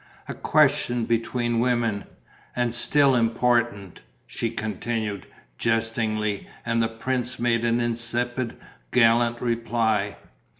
A question between women ... and still important!" she continued, jestingly; and the prince made an insipid, gallant reply.